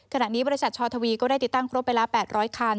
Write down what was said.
ขณะนี้บริษัทชอทวีก็ได้ติดตั้งครบไปแล้ว๘๐๐คัน